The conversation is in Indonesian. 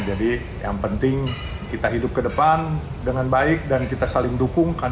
jadi yang penting kita hidup ke depan dengan baik dan kita saling dukung